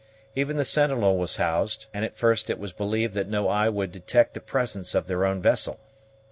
Even the sentinel was housed; and at first it was believed that no eye would detect the presence of their own vessel.